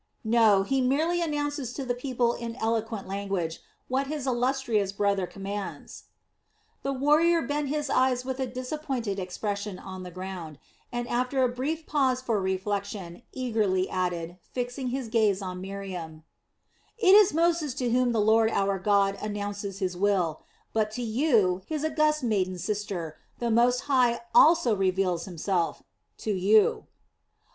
"No, he merely announces to the people in eloquent language what his illustrious brother commands." The warrior bent his eyes with a disappointed expression on the ground, and after a brief pause for reflection eagerly added, fixing his gaze on Miriam: "It is Moses to whom the Lord our God announces his will; but to you, his august maiden sister, the Most High also reveals himself, to you..."